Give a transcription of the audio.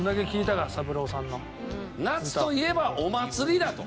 夏といえばお祭りだと。